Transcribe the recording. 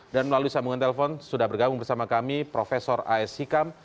dan melalui sambungan telepon sudah bergabung bersama kami profesor a s hikam